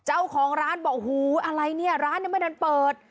เจ้าของร้านบอกโอ้โหอะไรเนี่ยร้านยังไม่ทันเปิด